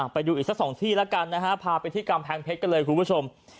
ไปดูอีกสักสองที่แล้วกันนะฮะพาไปที่กำแพงเพชรกันเลยคุณผู้ชม